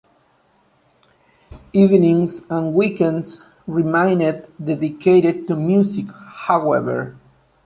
Evenings and weekends remained dedicated to music, however.